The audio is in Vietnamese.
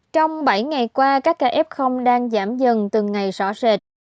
trong bảy ngày qua các ca f đang giảm dần từng ngày rõ rệt